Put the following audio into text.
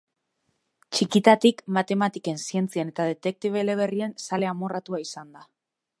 Txikitatik, matematiken, zientzien eta detektibe-eleberrien zale amorratua izan da.